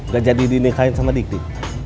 gak jadi di nikahin sama dikti